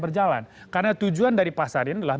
berjalan karena tujuan dari pasar ini adalah